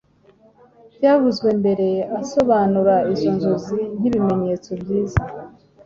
byavuzwe mbere asobanura izo nzozi nkibimenyetso byiza